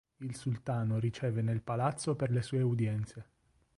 Il Sultano riceve nel palazzo per le sue udienze.